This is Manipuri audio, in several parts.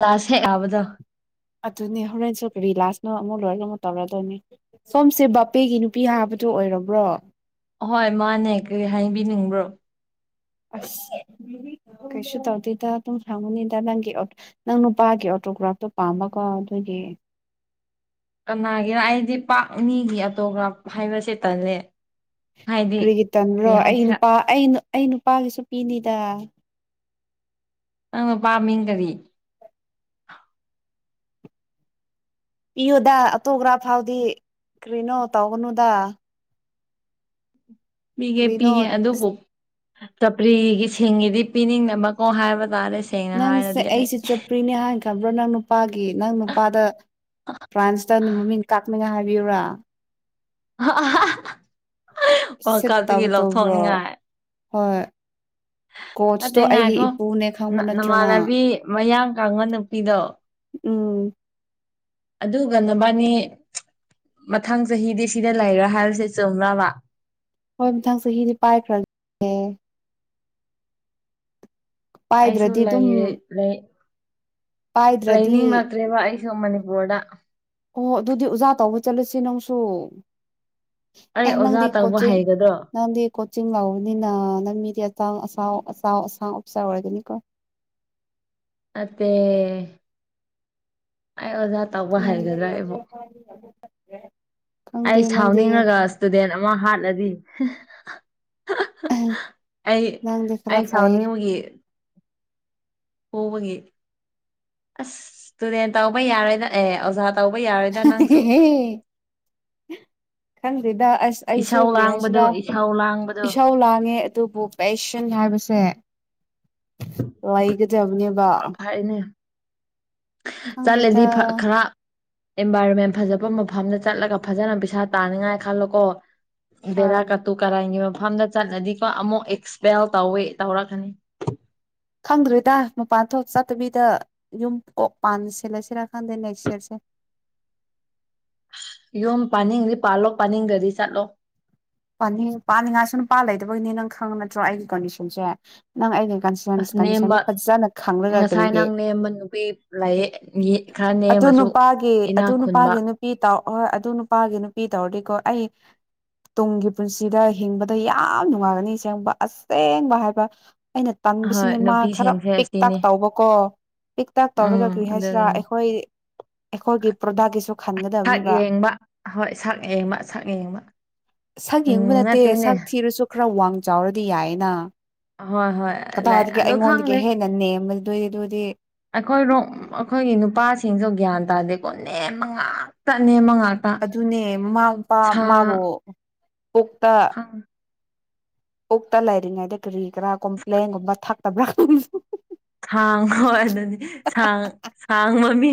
ꯂꯥꯁ ꯍꯦ ꯑꯕꯗ ꯑꯗꯨꯅꯦ ꯍꯣꯔꯦꯟꯁꯨ ꯀ ꯔꯤ ꯂꯥꯁꯅꯣ ꯑꯃꯨꯛ ꯂꯣꯏꯔ ꯑꯃꯨꯛ ꯇꯧꯔꯗꯣꯏꯅꯦ ꯁꯣꯝꯁꯦ ꯕꯥꯄꯦꯒꯤ ꯅꯨꯄꯤ ꯍꯥꯕ ꯇꯨ ꯑꯣꯏꯔꯕ꯭ꯔꯣ ꯑꯣꯏ ꯃꯥꯅꯦ ꯀꯔꯤ ꯍꯥꯏꯕꯤꯅꯤꯡꯕ꯭ꯔꯣ ꯑꯁ ꯀꯩꯁ ꯇꯧꯗꯗ ꯇ ꯁꯃꯅꯤꯗ ꯅꯪ ꯅꯪ ꯅꯨꯄꯥꯒꯦ ꯐꯣꯇꯣꯒ꯭ꯔꯥꯐꯇꯣ ꯄꯥꯝꯃꯒ ꯑꯗꯨꯒꯤ ꯀꯅꯥꯒꯤꯅ ꯑꯩꯗꯤ ꯄꯥꯥꯛꯅꯤꯒꯤ ꯑꯇꯣꯒ꯭ꯔꯥ ꯍꯥꯏꯕꯁꯦ ꯇꯜꯂꯦ ꯍꯥꯏꯗꯤ ꯀꯔꯤꯒꯤ ꯀꯔꯤ ꯇꯟꯕ꯭ꯔꯣ ꯑꯩ ꯍꯥꯏꯁꯤꯔꯥ ꯅꯨꯄꯥ ꯑꯩ ꯅꯨꯄꯥꯒꯤꯁꯨꯄꯤꯅꯤꯗ ꯑ ꯄꯥꯝꯃꯤ ꯀꯗꯤ ꯏꯌꯣꯗ ꯑꯇꯣꯞꯒ꯭ꯔꯥ ꯐꯥꯎꯗꯤ ꯀꯔꯤꯅꯣ ꯇꯧꯒꯅꯨꯗ ꯄꯤꯒꯦ ꯀꯔꯤꯅꯣ ꯄꯤꯒꯦ ꯑꯗꯨꯕꯨ ꯆꯄ꯭ꯔꯤꯒꯤ ꯁꯤꯡꯒꯤꯗꯤ ꯄꯤꯅꯤꯡꯅꯕꯀꯣ ꯍꯥꯏꯕ ꯇꯥꯔꯦ ꯁꯦꯡꯅ ꯅꯪꯁꯦ ꯍꯥꯏꯔꯗꯤ ꯑꯩ ꯑꯩꯁꯦ ꯆꯄ꯭ꯔꯤꯅꯦ ꯍꯥꯏꯦ ꯆꯕ꯭ꯔꯣ ꯅꯪ ꯅꯨꯄꯥꯒꯤ ꯅꯪ ꯅꯨꯄꯥꯗ ꯐ꯭ꯔꯥꯟꯁꯇ ꯃꯃꯤꯡ ꯀꯥ ꯍꯥꯏ ꯌꯕꯤꯨꯔꯥ ꯁꯤꯠ ꯇꯕ ꯄꯀꯥꯗꯒꯤꯂ ꯇꯧꯕ꯭ꯔꯣ ꯊꯅꯤ ꯍꯣꯏ [unintelligible] ꯀꯣꯆꯇꯣ ꯐꯠꯇꯦꯡ ꯑꯩꯒꯤ ꯉꯥꯏꯈꯣ ꯏꯄꯨꯅꯦ ꯈꯪꯕ ꯅꯠꯇ꯭ꯔꯣ ꯅꯪ ꯅꯃꯥꯟꯅꯕꯤ ꯃꯌꯥꯡ ꯀꯥꯡꯕ ꯅꯨꯄꯤꯗꯣ ꯎꯝ ꯑꯗꯨꯒ ꯅꯕꯥꯅꯤ ꯃꯊꯪ ꯆꯍꯤꯗꯤ ꯁꯤꯗ ꯂꯩꯔ꯭ꯔꯥ ꯍꯥꯏꯔꯁꯦ ꯆꯃ꯭ꯔꯥ ꯑꯃ ꯍꯣꯏ ꯃꯊꯪ ꯆꯍꯤꯗꯤ ꯄꯥꯏꯈ꯭ꯔꯒꯦ ꯄꯥꯏꯗ꯭ꯔꯗꯤ ꯑꯗꯨꯝ ꯑꯩꯁꯨꯂꯩꯑꯦ ꯂꯩ ꯄꯥꯏꯗ꯭ꯔꯗꯤ ꯂꯩꯅꯤꯡ ꯅꯛꯇ꯭ꯔꯦꯕ ꯑꯩ ꯁꯣꯝ ꯃꯅꯤꯄꯨꯔꯗ ꯑꯣ ꯑꯗꯨꯗꯤ ꯑꯣꯖꯥ ꯇꯧꯕ ꯆꯠꯂꯁꯤ ꯅꯪꯁꯨ ꯑꯩ ꯑꯦ ꯑꯣꯖꯥ ꯅꯪꯗꯤ ꯇꯧꯕ ꯀꯣꯆꯦꯡ ꯍꯩꯒꯗ꯭ꯔꯣ ꯅꯪꯗꯤ ꯀꯣꯆꯤꯡ ꯂꯥꯕꯅꯤꯅꯥ ꯅꯡ ꯃꯤꯗꯤ ꯑꯇꯥꯡ [unintelligible] ꯁꯥꯥꯎ [unintelligible] ꯑꯆꯧ ꯑꯆꯧꯕ ꯎꯐꯤꯁꯔ ꯑꯣꯏꯔꯒꯅꯤꯀꯣ ꯅꯠꯇꯦ ꯑꯩ ꯑꯣꯖꯥ ꯇꯧꯕ ꯍꯩꯒꯗ꯭ꯔꯥ ꯑꯩꯕꯨ ꯑꯩ ꯈꯪꯗꯦ ꯅꯪꯗꯤ ꯁꯥꯎꯅꯤꯡꯉꯒ ꯁꯇꯨꯗꯦꯟ ꯑꯃ ꯍꯥꯠꯂꯗꯤ ꯑꯩ ꯅꯪꯗꯤ ꯈꯔ ꯑꯩ ꯐꯩꯌꯦ ꯁꯥꯎꯅꯤꯡꯕꯒꯤ ꯐꯨꯕꯒꯤ ꯑꯁ ꯁꯇꯨꯗꯦꯟ ꯇꯧꯕ ꯌꯥꯔꯣꯏꯗ ꯑꯦ ꯑꯣꯖꯥ ꯇꯧꯕ ꯌꯥꯔꯣꯏꯗ ꯍ ꯅꯪꯁꯨ ꯈꯪꯗꯦꯗ ꯑꯁ ꯑꯩ ꯁꯨ ꯏꯁꯧ ꯀꯔꯤ ꯂꯥꯡꯕꯗꯣ ꯍꯥꯏꯁꯤꯔꯥ ꯏꯁꯧ ꯂꯥꯡꯕꯗꯣ ꯏꯁꯥꯎ ꯂꯥꯡꯉꯦ ꯑꯗꯨꯕꯨ ꯄꯦꯁꯟ ꯍꯥꯏꯕꯁꯦ ꯂꯩꯒꯗꯕꯅꯦꯕ ꯐꯩꯅꯦ ꯆꯠꯂꯗꯤ ꯈꯪꯗꯦꯗ ꯈꯔ ꯑꯦꯟꯚꯥꯏꯔꯣꯟꯃꯦꯟ ꯐꯖꯕ ꯃꯐꯝꯗ ꯆꯠꯂꯒ ꯐꯖꯅ ꯄꯩꯁꯥ ꯇꯥꯅꯤꯡꯉꯥꯏ ꯈꯜꯂꯣꯀꯣ ꯍꯣꯏ ꯕꯦꯔꯥ ꯀꯥ ꯇꯨ ꯀꯥꯔꯟꯒꯤ ꯃꯐꯝꯗ ꯆꯠꯂꯗꯤꯀꯣ ꯑꯃꯨꯛ ꯑꯦꯛꯁꯄꯦꯜ ꯇꯧꯋꯦ ꯇꯧꯔꯛꯀꯅꯤ ꯈꯪꯗ꯭ꯔꯦꯗ ꯃꯄꯥꯟ ꯊꯣꯛ ꯆꯠꯇꯕꯤꯗ ꯌꯨꯝ ꯀꯣꯛ ꯄꯥꯟ ꯁꯜꯂꯁꯤꯔꯥ ꯈꯪꯗꯦ ꯅꯦꯛꯁ ꯌꯔꯁꯦ [unintelligible] [unintelligible] ꯌꯨꯝ ꯄꯥꯅꯤꯡꯗꯤ ꯄꯥꯜꯂꯣ ꯄꯥꯅꯤꯡꯗꯔꯗꯤ ꯆꯠꯂꯣ ꯄꯅꯤꯡ ꯄꯥꯅꯤꯡꯉꯥꯏꯁꯨ ꯅꯨꯄꯥꯥ ꯂꯩꯗꯕꯒꯤꯅꯤ ꯅꯪ ꯈꯪꯉꯤ ꯅꯠꯇ꯭ꯔꯣ ꯑꯩꯒꯤ ꯀꯣꯟꯗꯤꯁꯟꯁꯦ ꯅꯪ ꯑꯩꯅ ꯀꯟꯁꯦꯟꯁ ꯑꯁ ꯀꯟꯗꯤꯁꯟꯗꯣ ꯅꯦꯝꯕ ꯐꯖꯅ ꯈꯪꯂꯒ ꯉꯁꯥꯏ ꯀꯔꯤꯒꯦ ꯅꯪ ꯅꯦꯝꯕ ꯅꯨꯄꯤ ꯂꯩꯌꯦ ꯈꯔ ꯑꯗꯨ ꯅꯦꯝꯃꯁꯨ ꯅꯨꯄꯥꯒꯤ ꯏꯅꯥꯛ ꯑꯗꯨ ꯈꯨꯟꯕ ꯅꯨꯄꯥꯒꯤ ꯅꯨꯄꯤ ꯇꯥꯎ ꯍꯣꯏ ꯑꯗꯨ ꯅꯨꯄꯥꯒꯤ ꯅꯨꯄꯤ ꯇꯧꯔꯗꯤꯀꯣ ꯑꯩ ꯇꯨꯡꯒꯤ ꯄꯨꯟꯁꯤꯗ ꯍꯤꯡꯕꯗ ꯌꯥꯝ ꯅꯨꯡꯉꯥꯏꯒꯅꯤ ꯑꯦꯡꯕ ꯑꯁꯦꯡꯕ ꯍꯥꯏꯕ ꯑꯩꯅ ꯍꯣꯏ ꯇꯟꯕꯁꯤꯅꯦ ꯃꯥ ꯈꯔ ꯅꯨꯄꯤꯁꯤꯡꯁꯦ ꯄꯤꯛ ꯇꯛ ꯑꯁꯤꯅꯤ ꯇꯧꯕꯀꯣ ꯄꯤꯛ ꯇꯛ ꯇꯧꯔꯒ ꯎꯝ ꯀ꯭ꯔꯤ ꯍꯥꯏꯁꯤꯔꯥ ꯑꯗꯨꯒꯤꯅꯤ ꯑꯩꯈꯣꯏ ꯑꯩꯈꯣꯏꯒꯤ ꯄ꯭ꯔꯗꯛꯀꯤꯁꯨ ꯁꯛ ꯈꯟꯒꯗꯕꯅꯦꯕ ꯌꯦꯡꯕ ꯍꯣꯏ ꯁꯛ ꯌꯦꯡꯕ ꯁꯛ ꯌꯦꯡꯕ ꯁꯛ ꯌꯦꯡꯕ ꯎꯝ ꯅꯠꯇꯦ ꯅꯠꯇꯦꯅꯦ ꯁꯛ ꯊꯤꯔꯁꯨ ꯈꯔ ꯋꯥꯡ ꯆꯥꯎꯔꯗꯤ ꯌꯥꯏꯌꯦꯅ ꯍꯣꯏ ꯍꯣꯏ ꯂꯩ ꯀꯗꯥꯏꯗꯒꯤ ꯑꯗꯣ ꯑꯩꯉꯣꯟꯗꯒꯤ ꯈꯪꯗꯦ ꯍꯦꯟꯅ ꯅꯦꯝꯕꯗꯨꯗꯤ ꯑꯗꯨꯗꯤ ꯑꯩꯈꯣꯏꯣ ꯑꯩꯈꯣꯏꯒꯤ ꯅꯨꯄꯥꯁꯤꯡꯁꯨ ꯒ꯭ꯌꯥꯟ ꯇꯗꯗꯤꯀꯣ ꯅꯦꯝꯕ ꯉꯥꯛꯇ ꯅꯦꯝꯕ ꯉꯥꯛ ꯑꯗꯨꯅꯦ ꯃꯃꯥ ꯃꯄꯥ ꯃꯥꯕꯨꯣ ꯄꯨꯛꯇꯥ ꯈꯪ ꯄꯨꯛꯇ ꯂꯩꯔꯤꯉꯩꯗ ꯀꯔꯤ ꯀꯔꯥ ꯀꯣꯝꯄ꯭ꯂꯦꯟꯒꯨꯝꯕ ꯊꯛꯇꯕ꯭ꯔꯥ ꯈꯪꯗꯦ ꯁꯥꯡ ꯍꯣꯏ ꯑꯗꯨꯅꯤ ꯁꯥꯡ ꯁꯥꯡꯕ ꯃꯤ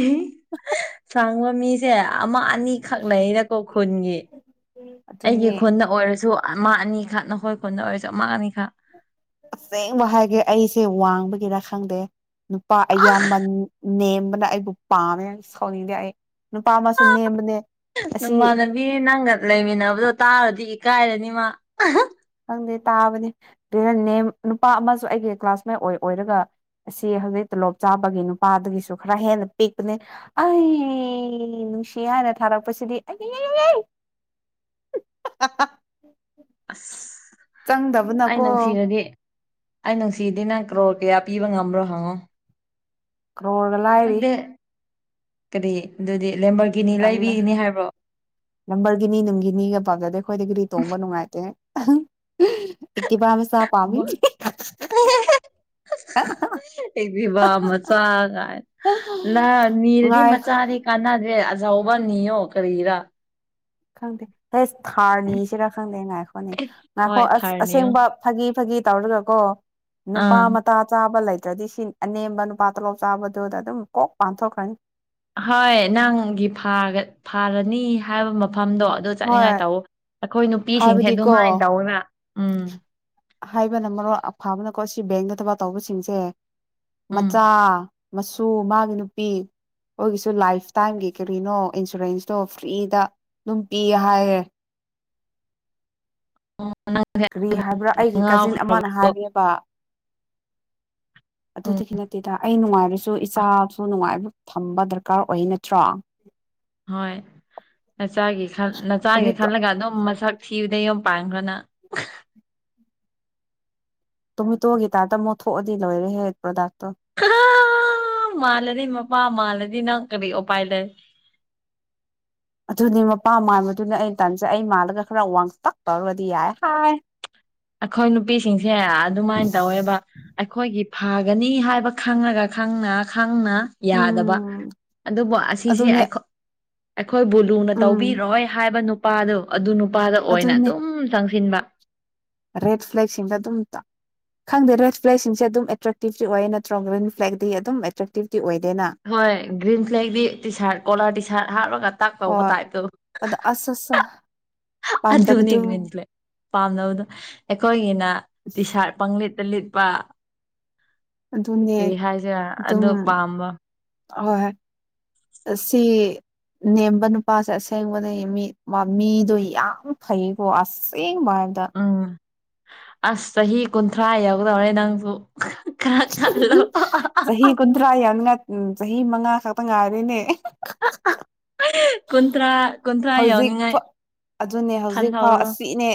ꯁꯥꯡꯕ ꯃꯤꯁꯦ ꯑꯃ ꯑꯅꯤꯈꯛ ꯂꯩꯅꯀꯣ ꯈꯨꯟꯒꯤ ꯑꯩꯒꯤ ꯑꯗꯨꯅꯦ ꯈꯨꯟꯗ ꯑꯣꯏꯔꯁꯨ ꯑꯃ ꯑꯅꯤ ꯑꯁꯦꯡꯕ ꯍꯥꯏꯒꯦ ꯑꯩꯁꯦ ꯋꯥꯡꯕꯒꯤꯔ ꯈꯪꯗꯦ ꯅꯨꯄꯥ ꯑꯌꯥꯝꯕꯟ ꯅꯦꯝꯕꯅ ꯑꯩꯕꯨ ꯄꯥꯝꯃꯦ ꯁꯥꯎꯅꯤꯡꯉꯦ ꯑꯩ ꯅꯨꯄꯥ ꯑꯃꯁꯨ ꯅꯦꯝꯕꯅꯦ ꯑꯁꯤ ꯏꯃꯥꯟꯅꯕꯤ ꯅꯪꯒ ꯂꯩꯃꯤꯟꯅꯕꯗꯣ ꯇꯥꯔꯗꯤ ꯏꯀꯥꯏꯔꯅꯤꯃꯥ ꯈꯪꯗꯦ ꯇꯥꯕꯅꯦ ꯑꯗꯨꯅ ꯅꯦꯝ ꯅꯨꯄꯥ ꯑꯃꯁꯨ ꯑꯩꯒꯤ ꯀ꯭ꯂꯥꯁꯃꯦꯠ ꯑꯣꯏ ꯑꯣꯏꯔꯒ ꯑꯁꯤ ꯍꯧꯖꯤꯛ ꯇꯣꯂꯣꯞ ꯆꯥꯕꯒꯤ ꯅꯨꯄꯥꯗꯒꯤꯁꯨ ꯈꯔ ꯍꯦꯟꯅ ꯄꯤꯛꯄꯅꯦ ꯑꯩ ꯅꯨꯡꯁꯤ ꯍꯥꯏꯅ ꯊꯥꯔꯛꯄꯁꯤꯗꯤ ꯑꯩ [inaudible] [inaudible] ꯑꯁ ꯑꯩ ꯆꯪꯗꯕꯅꯀꯣ ꯅꯨꯡꯁꯤꯔꯒꯦ꯫ ꯑꯩ ꯅꯨꯡꯁꯤꯗꯤ ꯅꯪ ꯀ꯭ꯔꯣꯔ ꯀꯌꯥ ꯄꯤꯕ ꯉꯝꯕ꯭ꯔꯣ ꯍꯪꯉꯣ꯫ ꯀꯔꯣꯔꯒ ꯂꯥꯏꯔꯤ꯫ ꯅꯠꯇꯦ ꯀꯔꯤ ꯑꯗꯨꯗꯤ ꯂꯦꯝꯕꯔꯒꯤꯅꯤ ꯇꯜꯂꯦ ꯂꯩꯕꯤꯒꯤꯅꯤ ꯍꯥꯏꯕ꯭ꯔꯣ꯫ ꯐꯖꯗꯦ ꯑꯩꯈꯣꯏꯗꯤ ꯒꯔ꯭ꯤ ꯇꯣꯡꯕ ꯅꯨꯡꯉꯥꯏꯇꯦ ꯏꯛꯇꯤ ꯄ꯫ ꯁꯥ ꯄꯥꯃꯤ ꯍꯥ ꯍꯥ꯫ ꯑꯦꯅꯦꯕꯥ ꯃꯆꯥ ꯀꯥꯏ ꯅꯤꯔꯗꯤ ꯉꯥꯏ ꯃꯆꯥꯗꯤ ꯀꯥꯟꯅꯗꯦ꯫ ꯌꯥꯎꯕꯅꯤ ꯑꯣ ꯀꯔꯤꯔ꯫ ꯈꯪꯗꯦ ꯍꯩꯁ ꯊꯥꯔ ꯅꯤꯁꯤꯔ ꯈꯪꯗꯦ ꯉꯥꯏꯈꯣꯅꯤ ꯉꯥꯏꯈꯣ ꯍꯣꯏ ꯑꯁ ꯊꯥꯔ ꯅꯤꯌꯣ ꯑꯁꯦꯡꯕ ꯐꯥꯒꯤ ꯐꯥꯒꯤ꯫ ꯇꯧꯔꯒꯀꯣ ꯅꯨꯄꯥ ꯑꯥ ꯃꯇꯥ ꯆꯥꯕ ꯂꯩ꯫ ꯑꯗꯨ꯭ꯔꯗꯤ ꯁꯤ ꯑꯅꯦꯝꯕ ꯅꯨꯄꯥ ꯇꯣꯂꯣꯞ ꯆꯥꯕꯗꯨꯗ ꯑꯗꯨꯝ ꯀꯣꯛ ꯄꯥꯟꯊꯣꯛꯈ꯭ꯔꯅꯤ꯫ ꯍꯣꯏ ꯅꯪꯒꯤ ꯐꯥꯔ ꯐꯥꯔꯅꯤ ꯍꯥꯏꯕ꯫ ꯃꯐꯝꯗꯣ ꯑꯗꯨ ꯆꯠꯅꯤꯡꯉꯥꯏ ꯍꯣꯏ ꯇꯧꯋ ꯑꯩꯈꯣꯏ ꯅꯨꯄꯤꯁꯤꯡꯁꯦ ꯍꯥꯏꯕꯗꯤꯀꯣ ꯑꯗꯨꯃꯥꯏꯅ ꯇꯧꯅ꯫ ꯍꯥꯏꯕꯅ ꯃꯔꯣꯜ ꯑꯐꯕꯅꯀꯣ ꯁꯤ ꯕꯦꯡꯗ ꯊꯕꯛ ꯇꯧꯕꯁꯤꯡꯁꯦ ꯎꯝ ꯃꯆꯥ ꯃꯁꯨ ꯃꯥꯒꯤ ꯅꯨꯄꯤ꯫ ꯑꯩꯒꯤꯁꯨ ꯂꯥꯏꯐ ꯇꯥꯏꯝꯒꯤ ꯀꯔꯤꯅꯣ ꯏꯟꯁꯨꯔꯦꯟꯁꯇꯣ ꯐ꯭ꯔꯤꯗ꯫ ꯑꯗꯨꯝ ꯄꯤ ꯍꯥꯏꯍꯦ꯫ ꯑꯣ ꯅꯪꯁꯦ ꯀꯔꯤ ꯍꯥꯏꯕ꯭ꯔꯥ ꯑꯩꯒꯤ ꯀꯥꯖꯤꯟ ꯑꯃꯅ ꯉꯥꯎꯈ꯭ꯔꯕꯣ ꯍꯥꯏꯒꯦ꯫ ꯕ ꯑꯗꯨ ꯎꯝ ꯅꯠꯇꯦꯗ ꯅꯨꯡꯉꯥꯏ꯫ ꯑꯗꯨꯁꯨ ꯏꯆꯥꯁꯨ ꯅꯨꯡꯉꯥꯏꯕ ꯊꯝꯕ ꯗꯔꯀꯥꯔ ꯑꯣꯏ ꯅꯠꯇ꯭ꯔꯥ꯫ ꯍꯣꯏ ꯅꯆꯥꯒꯤ ꯈꯜ ꯅꯆꯥꯒꯤ ꯇꯣꯃꯦꯇꯣ ꯈꯜꯂꯒ ꯑꯗꯨꯝ ꯃꯁꯛ꯫ ꯊꯤꯕꯗ ꯌꯨꯝ ꯄꯥꯡꯈ꯭ꯔꯣꯅ꯫ ꯇꯣꯃꯦꯇꯣꯒꯤ ꯇꯔꯇ ꯃꯣꯠꯊꯣꯛꯑꯗꯤ ꯂꯣꯏꯔꯦ ꯍꯦ ꯄ꯭ꯔꯗꯛ꯫ ꯈꯥ ꯃꯥꯂꯅꯤ ꯃ꯫ ꯃꯥ ꯃꯥꯂꯗꯤ ꯅꯪ ꯀꯔꯤ ꯑꯣꯄꯥꯏ ꯂꯩ꯫ ꯑꯗꯨꯅꯤ ꯃꯄꯥ ꯃꯟꯕꯗꯨꯅꯦ ꯑꯩꯅ ꯇꯥꯟꯖꯩ ꯑꯩ ꯃꯥꯜꯂꯒ ꯈꯔ ꯋꯥꯡꯇꯛ ꯇꯧꯔꯒꯗꯤ ꯌꯥꯏ ꯍꯥꯏ꯫ ꯑꯩꯈꯣꯏ ꯅꯨꯄꯤꯁꯤꯡꯁꯦ ꯑꯗꯨꯃꯥꯏꯅ ꯇꯧꯋꯦꯕ ꯑꯩꯈꯣꯏꯒꯤ꯫ ꯐꯒꯅꯤ ꯍꯥꯏꯕ ꯈꯪꯉꯒ ꯈꯪꯅ꯫ ꯈꯪꯅ ꯌꯥꯗꯕ ꯎꯝ ꯑꯗꯨꯕꯨ ꯑꯁꯤꯁꯦ ꯑꯗꯨꯅꯦ ꯑꯩꯈꯣꯏ꯫ ꯑꯩꯈꯣꯏ ꯕꯨ ꯂꯨꯅ ꯎꯝ ꯇꯧꯕꯤꯔꯣꯏ ꯍꯥꯏꯕ ꯅꯨꯄꯥꯗꯣ ꯑꯗꯨ ꯅꯨꯄꯥꯗ ꯑꯣꯏꯅ ꯑꯗꯨꯅꯦ ꯑꯗꯨꯝ ꯆꯪꯁꯤꯟꯕ꯫ ꯔꯦꯠ ꯐ꯭ꯂꯦꯛꯁꯤꯡꯗ ꯑꯗꯨꯝ ꯇ꯫ ꯈꯪꯗꯦ ꯔꯦꯠ ꯐ꯭ꯂꯦꯛꯁꯤꯡꯁꯦ ꯑꯗꯨꯝ ꯑꯦꯇ꯭ꯔꯦꯛꯇꯤꯞꯇꯤ ꯑꯣꯏꯌꯦ ꯅꯠꯇ꯭ꯔꯣ ꯒ꯭ꯔꯤꯟ ꯐ꯭ꯂꯦꯛꯛꯇꯤ ꯑꯗꯨꯝ ꯑꯦꯇ꯭ꯔꯦꯛꯇꯤꯞ꯫ ꯍꯣꯏ ꯒ꯭ꯔꯤꯟ ꯐ꯭ꯂꯦꯛꯗꯤ T shirt colour T shirt ꯍꯥꯞꯔꯒ꯫ ꯇꯥꯛ ꯀꯧꯕ ꯍꯣꯏ ꯇꯥꯏꯗꯣ ꯑꯗ ꯑꯁ ꯑꯁ ꯑꯗꯨꯅꯤ ꯄꯥꯝꯗꯕꯗꯨ ꯒꯔ꯭ꯤꯟ ꯐꯂꯦꯒ꯫ ꯄꯥꯝꯅꯕꯗꯣ ꯑꯩꯈꯣꯏꯒꯤꯅ ꯇꯤꯁꯥꯔꯠ ꯄꯪ ꯂꯤꯠꯇ ꯂꯤꯠꯄ꯫ ꯑꯗꯨꯅꯦ ꯀꯔꯤ ꯍꯥꯏꯁꯤꯔ ꯑꯗꯨꯝ ꯑꯗꯨ ꯍ ꯄꯥꯝꯕ ꯍꯣꯏ꯫ ꯑꯁꯤ꯫ ꯅꯦꯝꯕ ꯅꯨꯄꯥꯁꯦ ꯑꯁꯦꯡꯕꯗꯒꯤ ꯃꯤ ꯃꯤꯗꯣ ꯌꯥꯝ ꯐꯩꯀꯣ ꯑꯁꯦꯡ꯫ ꯃꯥꯗ꯫ ꯎꯝ ꯑꯁ ꯆꯍꯤ ꯀꯨꯟꯊ꯭ꯔꯥ ꯌꯥꯎꯗꯧꯔꯦ ꯅꯪꯁꯨ꯫ ꯈꯔ ꯈꯜꯂꯣ ꯆꯍꯤ ꯀꯨꯟꯊ꯭ꯔꯥ ꯌꯥꯉ ꯆꯍꯤ ꯃꯉꯥ ꯈꯛꯇ ꯉꯥꯏꯔꯦꯅꯦ꯫ ꯀꯨꯟꯊ꯭ꯔꯥ ꯀꯨꯟꯊ꯭ꯔꯥ ꯌꯧꯅꯤꯡꯉꯥꯏ ꯍꯧꯖꯤꯛꯐ ꯑꯗꯨꯅꯦ ꯍꯧꯖꯤꯛꯐꯥꯎ ꯈꯜꯍꯧꯔꯣ ꯑꯁꯤꯅꯦ꯫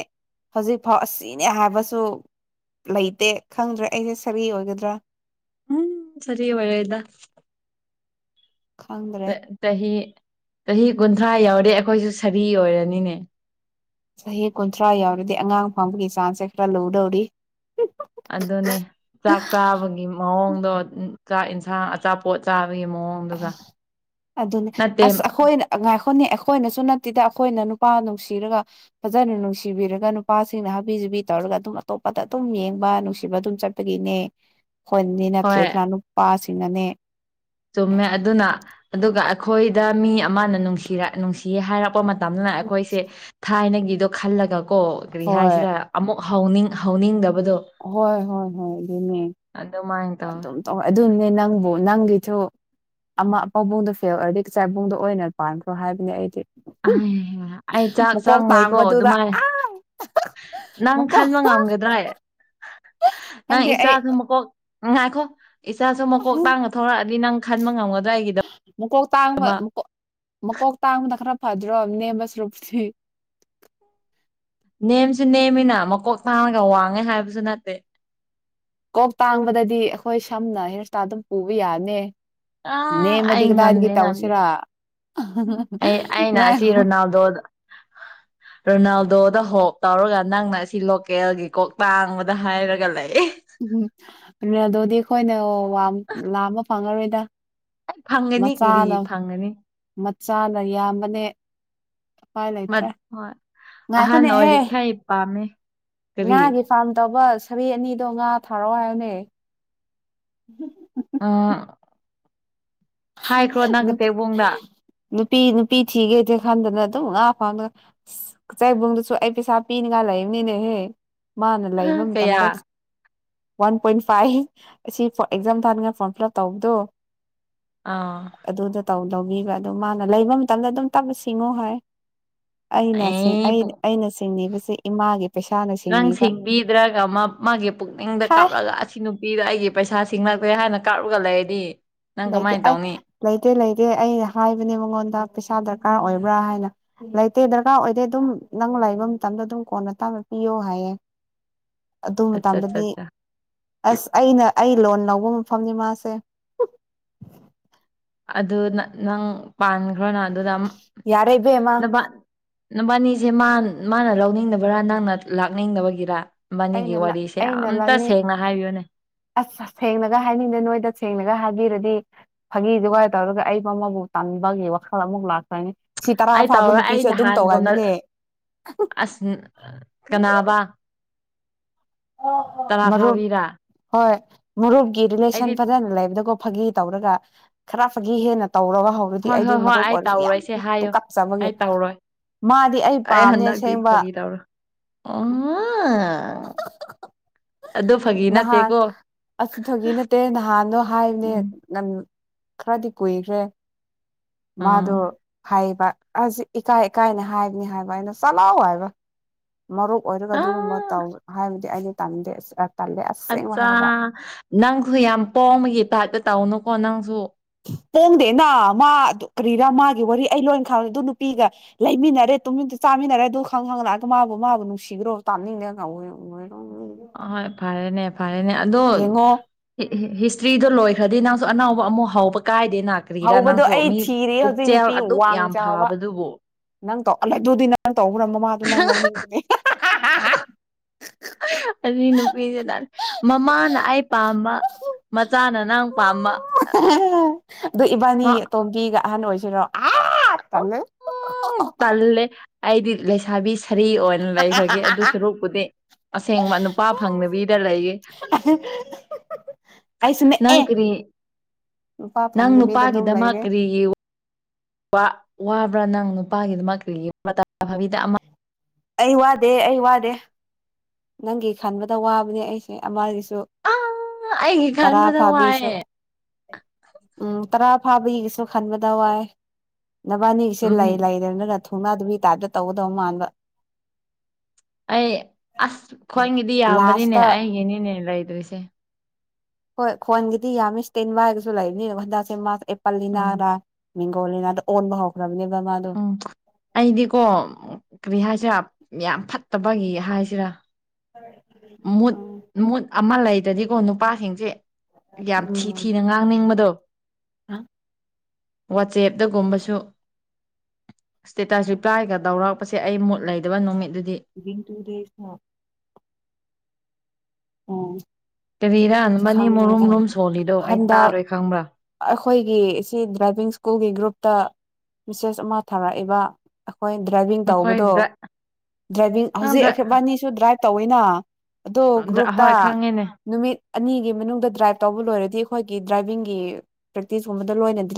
ꯍꯧꯖꯤꯛꯐꯥꯎ ꯑꯁꯤꯅꯦ ꯍꯥꯏꯕꯁꯨ꯫ ꯂꯩꯇꯦ ꯈꯪꯗ꯭ꯔꯦ ꯑꯩꯁꯦ ꯁꯔꯤ ꯑꯣꯏꯒꯗ꯭ꯔꯥ꯫ ꯎꯝ ꯁꯔꯤ ꯑꯣꯏꯔꯣꯏꯗ꯫ ꯈꯪꯗ꯭ꯔꯦ ꯆꯍꯤ ꯆꯍꯤ ꯀꯨꯟꯊ꯭ꯔꯥ ꯌꯥꯎꯔꯦ ꯑꯩꯈꯣꯏꯁꯨ ꯁꯥꯔꯤ ꯑꯣꯏꯔꯅꯤꯅꯦ꯫ ꯆꯍꯤ ꯀꯨꯟꯊ꯭ꯔꯥ ꯌꯥꯎꯔꯗꯤ ꯑꯉꯥꯡ ꯐꯪꯕꯒꯤ ꯆꯥꯟꯁꯁꯦ ꯈꯔ ꯂꯨꯗꯧꯔꯤ꯫ ꯑꯗꯨꯅꯦ ꯆꯥꯛ ꯆꯥꯕꯒꯤ ꯃꯑꯣꯡꯗꯣ ꯆꯥꯛ ꯌꯦꯟꯁꯥꯡ ꯑꯆꯥꯄꯣꯠ꯫ ꯃꯑꯣꯡꯗꯨꯒ ꯑꯁ ꯑꯗꯨꯅꯦ ꯅꯠꯇꯦ ꯑꯁ ꯑꯩꯈꯣꯏꯅ꯫ ꯑꯈꯣꯅꯦ ꯑꯩꯈꯣꯏꯅꯁꯨ ꯅꯠꯇꯦꯗ ꯑꯩꯈꯣꯏꯅ ꯅꯨꯄꯥ ꯅꯨꯡꯁꯤꯔꯒ ꯐꯖꯅ ꯅꯨꯡꯁꯤꯕꯤꯔꯒ ꯅꯨꯄꯥꯁꯤꯅ ꯍꯥꯕꯤ꯫ ꯕꯤ ꯇꯧꯔꯒ ꯑꯗꯨꯝ ꯑꯇꯣꯞꯄꯗ ꯑꯗꯨꯝ ꯌꯦꯡꯕ ꯅꯨꯡꯁꯤꯕ ꯑꯗꯨꯝ ꯆꯠꯄꯒꯤꯅꯦ ꯍꯣꯏꯟꯅꯤ ꯍꯣꯏ ꯅꯠꯇ꯭ꯔꯦꯗꯅꯥꯅꯨꯄꯥꯁꯤꯡꯅꯅꯦ ꯆꯨꯝꯃꯦ ꯑꯗꯨꯅ ꯑꯗꯨꯒ ꯑꯩꯈꯣꯏꯗ ꯃꯤ ꯑꯃꯅ ꯅꯨꯡꯁꯤꯔ ꯅꯨꯡꯁꯤ ꯍꯥꯏꯔꯛꯄ ꯃꯇꯝ ꯇꯝꯅ ꯑꯩꯈꯣꯏꯁꯦ ꯊꯥꯏꯅꯒꯤꯗꯣ ꯈꯜꯂꯒ ꯀꯣ ꯀꯔꯤ ꯍꯣꯏ ꯍꯥꯏꯁꯤꯔ ꯑꯃꯨꯛ ꯍꯧ ꯍꯧꯅꯤꯡꯗꯕ ꯍꯣꯏ ꯍꯣꯏ ꯍꯣꯏ ꯑꯗꯨꯅꯦ ꯑꯗꯨꯝ ꯇꯧꯋꯦ ꯑꯗꯨꯅꯦ ꯅꯪꯕꯨ ꯅꯪꯒꯤꯁꯨ ꯑꯃ ꯄꯥꯕꯨꯡꯗꯣ ꯐꯦꯜ ꯑꯣꯏꯔꯗꯤ ꯀꯆꯥꯏꯕꯨꯡꯗ ꯑꯣꯏꯅ ꯄꯥꯟꯈ꯭ꯔꯣ ꯍꯥꯏꯕꯅꯦ ꯑꯩꯗꯤ ꯑ ꯑꯩ ꯆꯥꯛ ꯃꯀꯣꯛ ꯆꯪꯉꯣꯏꯀꯣ ꯇꯥꯡꯕꯗꯨꯗ ꯑꯗꯨꯃꯥꯏꯅ ꯑꯥ ꯅꯪ ꯃꯀꯣꯛ ꯈꯟꯕ ꯉꯝꯒꯗ꯭ꯔꯦ ꯅꯪ ꯈꯪꯗꯦ ꯑꯩ ꯏꯆꯥꯁꯨ ꯃꯀꯣꯛ ꯉ ꯉꯥꯏꯈꯣ ꯏꯆꯥꯁꯨ ꯃꯀꯣꯛ ꯇꯥꯡꯉ ꯊꯣꯔꯛꯑꯗꯤ ꯅꯪ ꯈꯟꯕ ꯉꯝꯑꯣ ꯃꯀꯣꯛ ꯇꯥꯡꯕ ꯃꯀꯣꯛ ꯃꯀꯣꯛ ꯇꯥꯡꯕꯅ ꯈꯔ ꯐꯥꯗ꯭ꯔꯣ ꯑꯝꯅꯦꯁ ꯔꯣꯄꯁꯤ ꯅꯦꯝꯁꯨ ꯅꯦꯝꯃꯤꯅ ꯃꯀꯣꯛ ꯊꯥꯡꯉꯒ ꯋꯥꯡꯉꯦ ꯍꯥꯏꯕꯁꯨ ꯅꯠꯇꯦ ꯀꯣꯛ ꯇꯥꯡꯕꯗꯗꯤ ꯑꯩꯈꯣꯏ ꯁꯝꯅ ꯍꯦꯌꯔꯁꯇꯥꯜ ꯑꯗꯨꯝ ꯄꯨꯕ ꯌꯥꯅꯤ ꯑ ꯅꯦꯝꯃꯗꯤ ꯑꯩ ꯀꯗꯥꯏꯗꯒꯤ ꯉꯝꯗꯦ ꯉꯝꯗꯦ ꯇꯧꯁꯤꯔꯥ ꯑꯩ ꯑꯩꯅ ꯑꯁꯤ ꯉꯥꯏꯈꯣ ꯔꯣꯅꯥꯜꯗꯣꯗ ꯔꯣꯅꯥꯜꯗꯣꯗ ꯍꯣ ꯇꯥꯔꯣꯒ ꯅꯪꯅ ꯑꯁꯤ ꯂꯣꯀꯦꯜꯒꯤ ꯀꯣꯛ ꯇꯥꯡꯕꯗ ꯍꯥꯏꯔꯒ ꯂꯩ ꯎꯝ ꯑꯗꯨ ꯑꯗꯨꯗꯤ ꯑꯩꯈꯣꯏꯅ ꯋꯥ ꯂꯥ ꯑꯃ ꯐꯪꯉꯔꯣꯏꯗ ꯑꯩ ꯐꯪꯒꯅꯤ ꯀꯔꯤ ꯃꯆꯥꯅ ꯐꯪꯒꯅꯤ ꯃꯆꯥꯅ ꯌꯥꯝꯕꯅꯦ ꯎꯄꯥꯏ ꯂꯩꯇ꯭ꯔꯦ ꯍꯣꯏ ꯑꯍꯥꯟ ꯑꯣꯏꯔꯤꯈꯥꯏ ꯄꯥꯝꯃꯦ ꯀꯔꯤ ꯅꯦ ꯐꯥꯝ ꯇꯧꯕ ꯁꯔꯤ ꯑꯅꯤꯗꯣ ꯉꯥ ꯊꯥꯔꯛꯑꯣ ꯍꯥꯏꯕꯅꯦ ꯑ ꯍꯥꯏꯈ꯭ꯔꯣ ꯅꯪ ꯀꯇꯦꯛꯕꯣꯡꯗ ꯅꯨꯄꯤ ꯅꯨꯄꯤ ꯊꯤꯒꯦꯗ ꯈꯟꯗꯅ ꯑꯗꯨꯝ ꯉꯥ ꯐꯥꯎꯒ ꯆꯩꯥꯏꯕꯨꯡꯗꯨꯁꯨ ꯑꯩ ꯄꯩꯁꯥ ꯄꯤꯅꯤꯉꯥꯏ ꯂꯩꯕꯅꯤꯅꯦꯍꯦ ꯃꯥꯅ ꯂꯩꯕ ꯀꯌꯥ ꯃꯇꯝꯗ ꯋꯥꯟ ꯄꯣꯏꯟ ꯐꯥꯏꯚ ꯑꯁꯤ ꯑꯦꯛꯖꯥꯝ ꯊꯥꯅꯤꯡꯉꯥꯏ ꯐꯣꯔꯝ ꯐꯤꯜ ꯑꯞ ꯇꯧꯕꯗꯣ ꯑꯥ ꯑꯗꯨꯗ ꯂꯧꯕꯤꯕ ꯑꯗꯨꯣ ꯃꯥꯅ ꯂꯩꯕ ꯃꯇꯝꯗ ꯑꯗꯨꯝ ꯇꯞꯄ ꯉꯣ ꯍꯥꯏ ꯑꯩꯅ ꯑꯦ ꯄꯨꯡ ꯑꯩꯅ ꯁꯤꯡꯅꯤꯕꯁꯤ ꯏꯃꯥꯒꯤ ꯄꯩꯁꯥꯅ ꯅꯪ ꯁꯤꯡꯅꯤꯕ ꯁꯤꯡꯕꯤꯗ꯭ꯔꯒ ꯃꯥ ꯃꯥꯒꯤ ꯄꯨꯛꯅꯤꯡꯗ ꯍꯥꯏ ꯀꯥꯞꯂꯒ ꯑꯁꯤ ꯅꯨꯄꯤꯗ ꯑꯩꯒꯤ ꯄꯩꯁꯥ ꯁꯤꯡꯂꯛꯇꯦ ꯍꯥꯏꯅ ꯀꯥꯞꯔꯒ ꯂꯩꯔꯅꯤ ꯂꯩꯇꯦ ꯑꯩ ꯂꯩꯇꯦ ꯂꯩꯇꯦ ꯑꯩꯅ ꯍꯥꯏꯕꯅꯦ ꯃꯉꯣꯟꯗ ꯄꯩꯁꯥ ꯗꯔꯀꯥꯔ ꯗꯔꯀꯥꯔ ꯑꯣꯏꯕ꯭ꯔꯥ ꯍꯥꯏꯅ ꯂꯩꯇꯦ ꯗꯔꯀꯥꯔ ꯑꯣꯏꯗꯦ ꯑꯗꯨꯝ ꯅꯪ ꯂꯩꯕ ꯃꯇꯝꯗ ꯑꯗꯨꯝ ꯀꯣꯟꯅ ꯇꯥꯅ ꯄꯤꯌꯣ ꯍꯥꯏꯌꯦꯦ [unintelligible] ꯑꯗꯨ ꯑꯠꯆꯥ ꯃꯇꯗꯗꯤ ꯆꯥ ꯑꯁ ꯑꯩꯅ ꯑꯩ ꯂꯣꯟ ꯂꯧꯕ ꯃꯐꯝꯅꯤ ꯃꯥꯁꯦ ꯑꯗꯨ ꯅꯪ ꯄꯥꯟꯈ꯭ꯔꯣꯅ ꯑꯗꯨꯗ ꯌꯥꯔꯦ ꯏꯕꯦꯝꯃ ꯅ ꯅꯨꯕꯥꯅꯤꯁꯦ ꯃꯥꯅ ꯂꯧꯅꯤꯡꯗꯕꯔꯥ ꯅꯪꯅ ꯂꯥꯛꯅꯤꯡꯗꯕꯒꯤꯔ ꯃꯅꯤꯒꯤ ꯑꯩꯅ ꯋꯥꯔꯤꯁꯦ ꯑꯩꯅ ꯑꯇ ꯂꯧꯅꯤꯡ ꯁꯦꯡꯅ ꯍꯥꯏꯕꯤꯌꯨꯅꯦ ꯑꯁ ꯁꯦꯡꯅꯒ ꯍꯥꯏꯅꯤꯡꯗꯦ ꯅꯣꯏꯗ ꯁꯦꯡꯅꯒ ꯍꯥꯏꯕꯤꯔꯗꯤ ꯐꯥꯒꯤ ꯗꯨꯒꯥꯏ ꯇꯧꯔꯒ ꯑꯩꯕꯨ ꯑꯃꯕꯨ ꯇꯥꯟꯕꯒꯤ ꯋꯥꯈꯜ ꯑꯃꯨꯛ ꯂꯥꯛ ꯁꯤ ꯇꯔꯥ ꯑꯩ ꯐꯥꯕ ꯇꯧꯔ ꯑꯩ ꯅꯨꯄꯤꯁꯨ ꯑꯗꯨꯝ ꯇꯧꯒ ꯅꯍꯥꯟꯒꯨꯝꯅ ꯍꯥꯏꯕꯅꯦ ꯑꯁ ꯀꯅꯥꯕ ꯇꯔꯥ ꯃꯔꯨꯞ ꯐꯥꯕꯤꯔꯥ ꯍꯣꯏ ꯃꯔꯨꯞꯀꯤ ꯔꯤꯂꯦꯁꯟ ꯑꯩꯗꯤ ꯐꯖꯅ ꯂꯩꯕꯗꯀꯣ ꯐꯥꯒꯤ ꯇꯧꯔꯒ ꯈꯔ ꯐꯥꯒꯤ ꯍꯦꯟꯅ ꯇꯧꯔꯒ ꯍꯧꯔꯗꯤ ꯍꯣꯏ ꯑꯩꯗꯤ ꯍꯣꯏ ꯍꯣꯏ ꯃꯔꯨꯞ ꯑꯩ ꯑꯣꯏꯔꯁꯨ ꯌꯥꯝ ꯇꯧꯔꯣꯏꯁꯦ ꯇꯨ ꯍꯥꯏꯌꯣ ꯀꯥꯞꯆꯕꯒꯦ ꯑꯩ ꯇꯧꯔꯣꯏ ꯃꯥꯗꯤ ꯑꯩ ꯄꯥꯝꯅꯦ ꯁꯦꯡꯕ ꯑ ꯅꯍꯥꯟ ꯑꯁꯤ ꯊꯣꯛꯒꯤ ꯅꯠꯇꯦ ꯅꯍꯥꯟꯗꯣ ꯎꯝ ꯍꯥꯏꯕꯅꯦ ꯈꯔꯗꯤ ꯀꯨꯏꯈ꯭ꯔꯦ ꯑꯥ ꯃꯥꯗꯣ ꯍꯥꯏꯕ ꯑꯁꯤ ꯏꯀꯥꯏꯀꯥꯏꯅꯦ ꯍꯥꯏꯕꯅꯤ ꯍꯥꯏꯕ ꯑꯩꯅ ꯆꯂꯑꯣ ꯍꯥꯏꯕ ꯃꯔꯨꯞ ꯑꯣꯏꯔꯒ ꯑꯗꯨꯒꯨꯝꯕ ꯑꯥ ꯇꯧ ꯍꯥꯏꯕꯗꯤ ꯑꯩꯗꯤ ꯇꯥꯟꯅꯤꯡꯗꯦ ꯑꯠꯆꯥ ꯅꯪꯁꯨ ꯌꯥꯝ ꯄꯣꯝꯕꯒꯤ ꯇꯥꯏꯞꯇ ꯇꯧꯅꯨꯀꯣ ꯅꯪꯁꯨ ꯄꯣꯡꯗꯦꯅ ꯃꯥ ꯀꯔꯤꯔꯥ ꯃꯥꯒꯤ ꯋꯥꯔꯤ ꯑꯩ ꯂꯣꯏ ꯈꯥꯡꯕꯦ ꯑꯗꯨ ꯅꯨꯄꯤꯒ ꯂꯩꯃꯤꯟꯅꯔꯦ ꯇꯨꯃꯤꯟꯅ ꯆꯥꯃꯤꯟꯅꯔꯦ ꯑꯗꯨ ꯈꯪꯉꯒꯥ ꯂꯥꯛ ꯑꯦ ꯑꯗꯨ ꯃꯥꯕꯨ ꯑ ꯍꯣꯏ ꯐꯔꯦꯅꯦ ꯐꯔꯦꯅꯦ ꯑꯗꯨ ꯌꯦꯡꯉꯣ ꯍꯤꯁꯇ꯭ꯔꯤꯗꯣ ꯂꯣꯏꯈ꯭ꯔꯗꯤ ꯅꯪꯁꯨ ꯑꯅꯧꯕ ꯑꯃꯨꯛ ꯍꯧꯕ ꯀꯥꯏ ꯗꯦꯅꯥ ꯀꯔꯤꯔꯥ ꯍꯧꯕꯗꯣ ꯅꯪꯁꯨ ꯑꯩ ꯃꯤ ꯊꯤꯔꯤ ꯍꯧꯖꯤꯛ ꯄꯨꯛꯆꯦꯜ ꯅꯨꯄꯤ ꯑꯗꯨꯛ ꯋꯥꯡ ꯌꯥꯝ ꯆꯥꯎꯕ ꯐꯕꯗꯨꯕꯨ ꯅꯪ ꯇꯧꯂꯥꯏꯗꯨꯗꯤ ꯅꯪ ꯇꯧꯕ꯭ꯔꯥ ꯃꯃꯥꯗꯣ ꯅꯪ ꯂꯧꯅꯤꯡꯕꯅꯦ ꯍꯥ ꯍꯥ ꯍꯥ ꯑꯅꯤ ꯅꯨꯄꯤꯁꯤꯅ ꯃꯃꯥꯅ ꯑꯩ ꯄꯥꯝꯕ ꯃꯆꯥꯅ ꯅꯪ ꯄꯥꯝꯕ ꯑꯗ ꯏꯕꯥꯅꯤ ꯃꯥ ꯇꯣꯝꯕꯤꯒ ꯑꯍꯟ ꯑꯣꯏꯁꯤꯔꯣ ꯑꯥ ꯑꯣ ꯇꯜꯂꯦ ꯇꯜꯂꯦ ꯑꯩꯗꯤ ꯂꯩꯁꯕꯤ ꯁꯥ ꯁꯔꯤ ꯑꯣꯏꯅ ꯂꯩꯈ꯭ꯔꯒꯦ ꯑꯗꯨ ꯁꯔꯨꯛꯄꯨꯗꯤ ꯑꯁꯦꯡꯕ ꯅꯨꯄꯥ ꯐꯪꯗꯥꯕꯤꯗ ꯂꯩꯌꯦ [inaudible] ꯑꯩꯁꯨꯅꯦ ꯅꯪ ꯑꯦ ꯀꯔꯤ ꯅꯨꯄꯥ ꯅꯪ ꯐꯪꯗꯕꯤꯗ ꯑꯗꯨꯝ ꯅꯨꯄꯥꯒꯤꯗꯃꯛ ꯂꯩꯔꯦ ꯀꯔꯤꯒꯤ ꯋꯥ ꯋꯥꯕ꯭ꯔꯥ ꯅꯪ ꯅꯨꯄꯥꯒꯤꯗꯃꯛ ꯀꯔꯤꯒꯤ ꯐꯥꯕꯤꯗ ꯑꯃ ꯑꯩ ꯋꯥꯗꯦ ꯑꯩ ꯋꯥꯗꯦ ꯅꯪꯒꯤ ꯈꯟꯕꯗ ꯋꯥꯕꯅꯦ ꯑꯩꯁꯦ ꯑꯃꯒꯤꯁꯨ ꯑꯥ ꯑꯩꯒꯤ ꯇꯔꯥ ꯈꯟꯕꯗ ꯐꯥꯕꯤꯁꯨ ꯋꯥꯏꯑꯦ ꯎꯝ ꯇꯔꯥ ꯐꯥꯕꯤꯒꯤꯁꯨ ꯈꯟꯕꯗ ꯋꯥꯏ ꯅꯕꯥꯅꯤꯒꯤꯁꯦ ꯂꯩ ꯎꯝ ꯂꯩꯔꯦꯅ ꯊꯨꯅꯥꯗꯨꯒꯤ ꯇꯥꯞꯇꯥ ꯇꯧꯒꯗꯧ ꯃꯥꯟꯕ ꯑꯩ ꯑꯁ ꯈ꯭ꯋꯥꯏꯒꯤꯗꯤ ꯌꯥꯝꯕꯅꯤꯅꯦ ꯂꯥꯁꯇ ꯑꯩꯒꯤꯅꯤꯅꯦ ꯂꯩꯗꯣꯏꯁꯦ ꯍꯣꯏ ꯈꯣꯟꯒꯤꯗꯤ ꯌꯥꯝꯃꯤ ꯏꯁ ꯇꯁꯦꯟ ꯕꯥꯢ ꯍꯥꯏꯕꯁꯨ ꯂꯩꯕꯅꯤꯅ ꯍꯟꯗꯛꯁꯦ ꯃꯥꯁ ꯑꯦꯄꯜ ꯎꯝ ꯅꯤꯅꯥꯔꯥ ꯃꯤꯡꯒꯣꯜꯂꯤ ꯉꯥꯛꯇꯥ ꯑꯣꯟꯕ ꯍꯧꯈ꯭ꯔꯕꯅꯦ ꯎꯝ ꯑꯩꯗꯤꯀꯣ ꯀ꯭ꯔꯤꯍꯥꯏꯁꯤꯔꯥ ꯌꯥꯝ ꯐꯠꯇꯕꯒꯤ ꯍꯥꯏꯁꯤꯔꯥ ꯃꯨꯠ ꯎꯝ ꯃꯨꯠ ꯑꯃ ꯂꯩꯇꯔꯥꯗꯤꯀꯣ ꯅꯨꯄꯥꯁꯤꯡꯁꯦ ꯌꯥꯝ ꯊꯤ ꯊꯤꯅ ꯉꯥꯡꯅꯤꯡꯕꯗꯣ ꯍꯥ ꯋꯥꯆꯦꯞꯇꯒꯨꯝꯕꯁꯨ ꯏꯁꯇꯦꯇꯁ ꯔꯤꯄ꯭ꯂꯥꯏꯒꯗꯧꯔꯛꯄꯁꯦ ꯑꯩ ꯃꯨꯠ ꯂꯩꯗꯕ ꯅꯨꯃꯤꯠ ꯗꯤꯡ ꯇꯨ ꯗꯦꯁꯇꯥ ꯎꯝ ꯀꯔꯤꯔꯥ ꯅꯕꯅꯤ ꯈꯪꯗ꯭ꯔ ꯃꯔꯨꯝ ꯔꯨꯝ ꯁꯣꯜꯂꯤꯗꯣ ꯑꯩ ꯍꯟꯗꯛ ꯇꯥꯔꯣꯏ ꯈꯪꯕ꯭ꯔꯥ ꯑꯩꯈꯣꯏꯒꯤ ꯁꯤ ꯗ꯭ꯔꯥꯏꯚꯤꯡ ꯁ꯭ꯀꯨꯜꯒꯤ ꯒ꯭ꯔꯨꯞꯇ ꯃꯦꯁꯦꯁ ꯑꯃ ꯊꯥꯔꯛꯏꯕ ꯍꯣꯏ ꯗ꯭ꯔꯥꯏꯚꯤꯡ ꯇꯧꯕꯗꯣ ꯅꯈꯣꯏꯗ ꯗ꯭ꯔꯥꯏꯚꯤꯡ ꯍꯧꯖꯤꯛ ꯅꯪꯗ ꯑꯩꯐꯦꯕꯥꯅꯤꯁꯨ ꯗ꯭ꯔꯥꯏꯕ ꯇꯧꯋꯦꯅ ꯑꯗꯣ ꯒ꯭ꯔꯨꯞꯇ ꯑꯍꯣꯏ ꯈꯪꯉꯦꯅꯦ ꯅꯨꯃꯤꯠ ꯑꯅꯤꯒꯤ ꯃꯅꯨꯡꯗ ꯗ꯭ꯔꯥꯏꯕ ꯇꯧꯕ ꯂꯣꯏꯔꯗꯤ ꯑꯩꯈꯣꯏ ꯗ꯭ꯔꯥꯏꯚꯤꯡꯒꯤ ꯄ꯭ꯔꯦꯛꯇꯤꯁ ꯀꯨꯝꯕꯗꯥ ꯂꯣꯏꯅꯥꯗꯤ